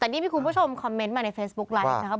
แต่นี่มีคุณผู้ชมคอมเมนต์มาในเฟซบุ๊คไลฟ์นะครับ